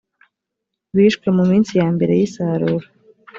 bishwe mu minsi ya mbere y isarura